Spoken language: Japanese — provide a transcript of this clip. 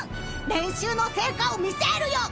練習の成果を見せるよ！